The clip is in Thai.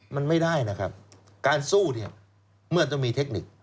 มันไม่ได้นะครับการสู้เนี่ยเมื่อต้องมีเทคนิค